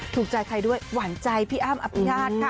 ถูกใจใครด้วยหวั่นใจพี่อ้ามอัพยาศค่ะ